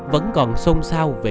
vẫn còn xôn xao về